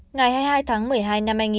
ngày hai mươi hai tháng một mươi hai